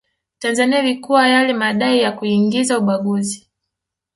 Tanzania ilikuwa yale madai ya kuingiza ubaguzi